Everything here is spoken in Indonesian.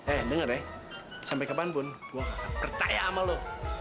eh denger ya sampe kapanpun gue gak akan percaya sama lo